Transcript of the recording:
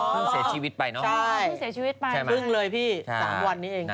พึ่งเสียชีวิตไปเนาะพึ่งเลยพี่๓วันนี้เอง